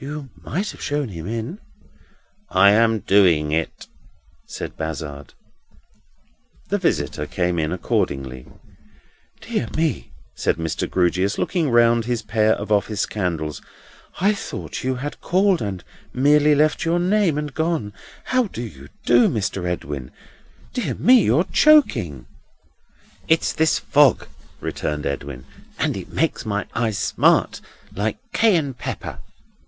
"You might have shown him in." "I am doing it," said Bazzard. The visitor came in accordingly. "Dear me!" said Mr. Grewgious, looking round his pair of office candles. "I thought you had called and merely left your name and gone. How do you do, Mr. Edwin? Dear me, you're choking!" "It's this fog," returned Edwin; "and it makes my eyes smart, like Cayenne pepper."